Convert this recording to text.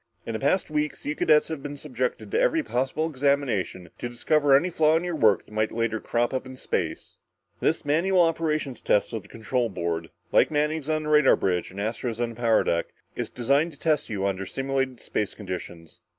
In the past weeks, you cadets have been subjected to every possible examination, to discover any flaw in your work that might later crop up in space. This manual operations test of the control board, like Manning's on the radar bridge and Astro's on the power deck, is designed to test you under simulated space conditions.